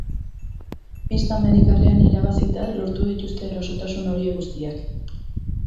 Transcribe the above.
Pista amerikarrean irabazita lortu dituzte erosotasun horiek guztiak.